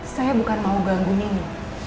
saya bukan mau ganggu ini